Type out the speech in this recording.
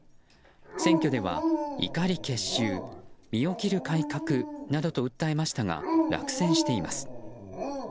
選挙では、怒り結集身を切る改革などと訴えましたが、落選しています。